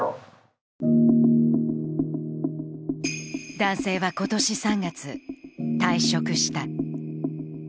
男性は今年３月、退職した。